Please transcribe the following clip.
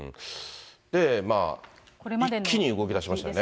で、一気に動きだしましたよね。